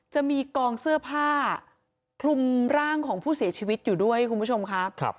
จะมีกองเสื้อผ้าคลุมร่างของผู้เสียชีวิตอยู่ด้วยคุณผู้ชมครับ